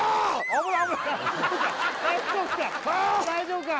大丈夫か？